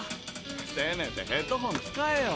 せめてヘッドホン使えよ。